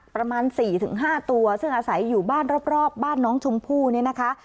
ประมาณ๔๕ตัวซึ่งอาศัยอยู่บ้านรอบบ้านน้องชมพู่เนี่ยนะคะ